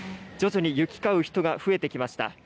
徐々に行き交う人が増えてきました。